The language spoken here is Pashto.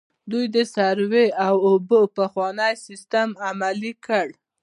دوی د سروې او د اوبو پخوانی سیستم عملي کړ.